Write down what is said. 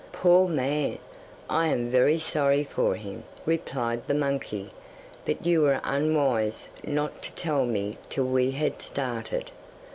'Poor man, I am very sorry for him,' replied the monkey; 'but you were unwise not to tell me till we had started.